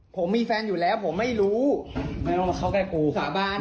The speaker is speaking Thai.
ผมมีแฟนอยู่แล้วผมไม่รู้ไม่ต้องมาเข้าใกล้กูสาบาน